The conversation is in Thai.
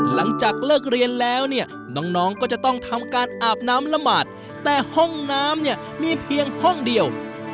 หลังจากเลิกเรียนแล้วเนี่ยน้องก็จะต้องทำการอาบน้ำละหมาดแต่ห้องน้ำเนี่ยมีเพียงห้องเดียว